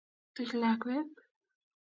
Tuch lakwet